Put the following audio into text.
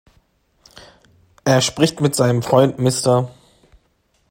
Er spricht mit seinem Freund Mr.